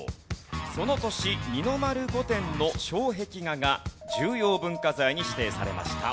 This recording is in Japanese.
その年二の丸御殿の障壁画が重要文化財に指定されました。